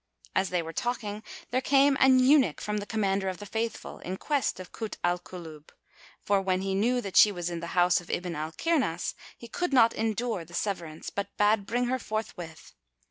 As they were talking, there came an eunuch from the Commander of the Faithful, in quest of Kut al Kulub, for, when he knew that she was in the house of Ibn al Kirnas, he could not endure the severance, but bade bring her forthwith.